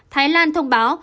thái lan thông báo